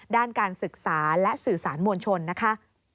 ด้านการศึกษาและสื่อสารมวลชนนะคะ